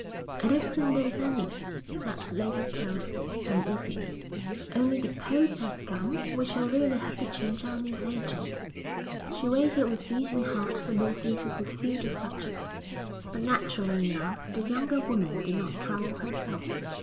'I don't think there is any,' said Lady Kelsey, uneasily. 'Only the Post has come; we shall really have to change our newsagent.' She waited with beating heart for Lucy to pursue the subject, but naturally enough the younger woman did not trouble herself.